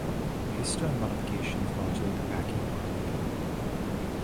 Histone modifications modulate the packing of chromatin.